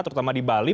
terutama di bali